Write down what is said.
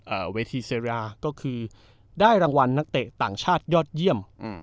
เวทีเซราก็คือได้รางวัลนักเตะต่างชาติยอดเยี่ยมอืม